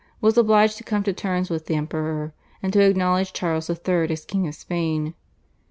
was obliged to come to terms with the Emperor, and to acknowledge Charles III. as king of Spain.